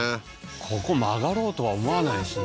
ここ曲がろうとは思わないですね